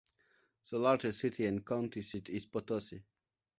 The largest city and county seat is Potosi.